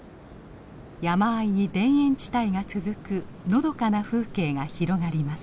山あいに田園地帯が続くのどかな風景が広がります。